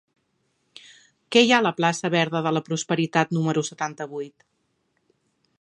Què hi ha a la plaça Verda de la Prosperitat número setanta-vuit?